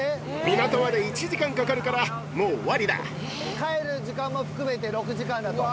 港まで１時間かかるから、帰る時間も含めて６時間だと。